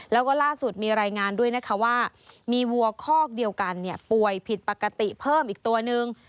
แล้วก็ล่าสุดมีรายงานด้วยนะคะว่ามีวัวคอกเดียวกันป่วยผิดปกติเพิ่มอีกตัวนึง